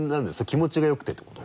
気持ちが良くてってこと？